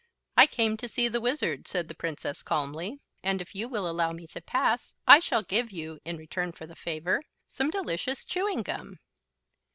"I came to see the Wizard," said the Princess, calmly, "and if you will allow me to pass I shall give you, in return for the favor, some delicious chewing gum."